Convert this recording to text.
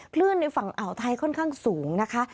คลื่นในฝั่งอ่าวไทยค่อนข้างสูงนะคะ